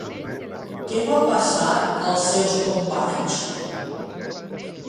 Què va passar als seus companys?